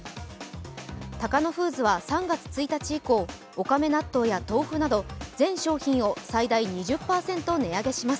タカノフーズは３月１日以降、おかめ納豆や豆腐など全商品を最大２０％値上げします。